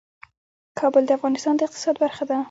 کابل د افغانستان د اقتصاد برخه ده.